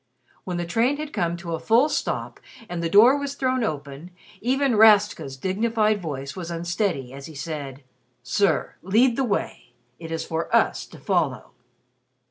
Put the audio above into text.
When the train had come to a full stop, and the door was thrown open, even Rastka's dignified voice was unsteady as he said, "Sir, lead the way. It is for us to follow."